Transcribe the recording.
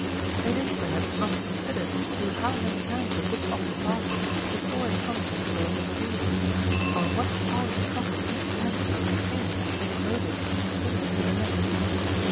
'It is, perhaps, not considered through how many hands a book often passes, before it comes into those of the reader; or what part of the profit each hand must retain, as a motive for transmitting it to the next.